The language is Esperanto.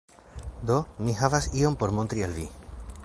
Do, mi havas ion por montri al vi